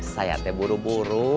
saya ada buru buru